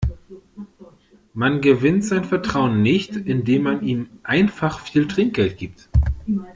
Man gewinnt sein Vertrauen nicht, indem man ihm einfach viel Trinkgeld gibt.